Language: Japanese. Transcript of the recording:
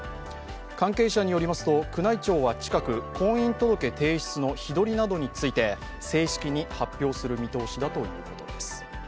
関係者によりますと、宮内庁は近く婚姻届提出の日取りなどについて、正式に発表する見通しだということです。